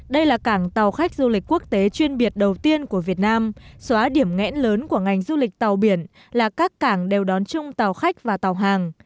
đây là cảng tàu khách du lịch quốc tế chuyên biệt đầu tiên của việt nam xóa điểm nghẽn lớn của ngành du lịch tàu biển là các cảng đều đón chung tàu khách và tàu hàng